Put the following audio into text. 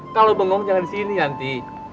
kalo bengong jangan disini nanti